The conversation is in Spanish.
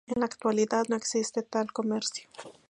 En la actualidad no existe tal comercio.